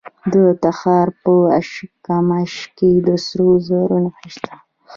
د تخار په اشکمش کې د سرو زرو نښې شته.